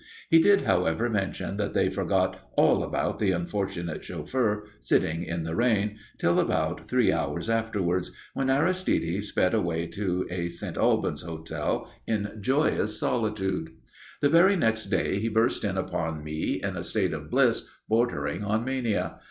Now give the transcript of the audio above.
He did, however, mention that they forgot all about the unfortunate chauffeur sitting in the rain till about three hours afterwards, when Aristide sped away to a St. Albans hotel in joyous solitude. The very next day he burst in upon me in a state of bliss bordering on mania.